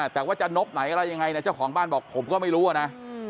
แต่ว่าจะนบไหนอะไรยังไงเนี่ยเจ้าของบ้านบอกผมก็ไม่รู้อะนะ